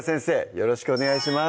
よろしくお願いします